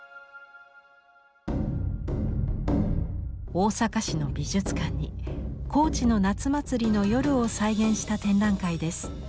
大阪市の美術館に高知の夏祭りの夜を再現した展覧会です。